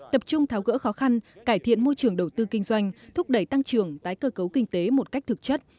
tập trung tháo gỡ khó khăn cải thiện môi trường đầu tư kinh doanh thúc đẩy tăng trưởng tái cơ cấu kinh tế một cách thực chất